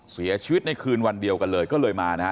เสียชีวิตในคืนวันเดียวกันเลยก็เลยมานะฮะ